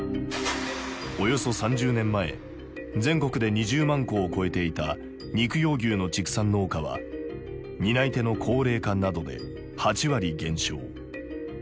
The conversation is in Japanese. およそ３０年前全国で２０万戸を超えていた肉用牛の畜産農家は担い手の高齢化などで８割減少。